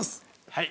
はい。